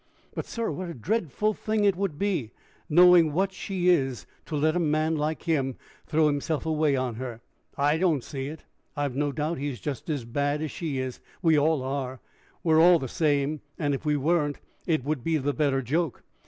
"But, sir, what a dreadful thing it would be, knowing what she is, to let a man like him throw himself away on her!" "I don't see it. I've no doubt he's just as bad as she is. We all are; we're all the same. And, if he weren't, it would be the better joke.